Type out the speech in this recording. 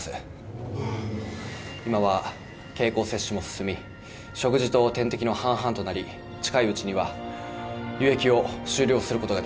今は経口摂取も進み食事と点滴の半々となり近いうちには輸液を終了することができそうです。